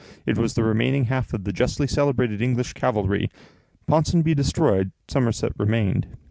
It was the remaining half of the justly celebrated English cavalry. Ponsonby destroyed, Somerset remained.